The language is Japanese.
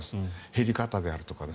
減り方であるとか。